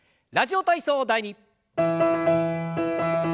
「ラジオ体操第２」。